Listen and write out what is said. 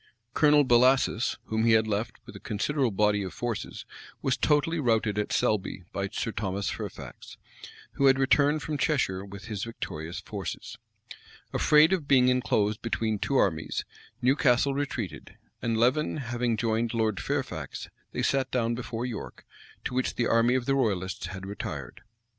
Colonel Bellasis, whom he had left with a considerable body of troops, was totally routed at Selby by Sir Thomas Fairfax, who had returned from Cheshire with his victorious forces.[] Afraid of being enclosed between two armies, Newcastle retreated; and Leven having joined Lord Fairfax, they sat down before York, to which the army of the royalists had retired.